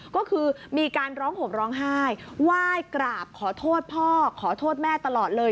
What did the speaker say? ก็คือมีการร้องห่มร้องไห้ไหว้กราบขอโทษพ่อขอโทษแม่ตลอดเลย